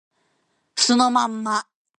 素のまんま